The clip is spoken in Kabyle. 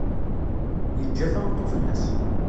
Yeǧǧa tameṭṭut-nnes.